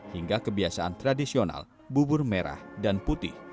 hingga kebiasaan tradisional bubur merah dan putih